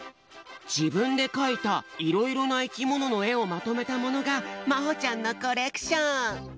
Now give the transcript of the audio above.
じぶんでかいたいろいろないきもののえをまとめたものがまほちゃんのコレクション。